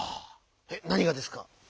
えなにがですか？